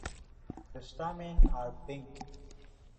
The stamen are pink.